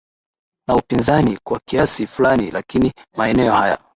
Na upinzani kwa kiasi fulani lakini maeneo haya